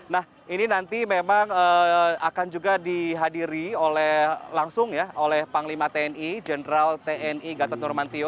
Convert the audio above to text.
nah ini nanti memang akan juga dihadiri oleh langsung ya oleh panglima tni jenderal tni gatot nurmantio